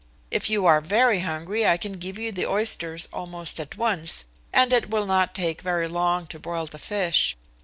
If you are very hungry I can give you the oysters almost at once, and it will not take very long to broil the fish.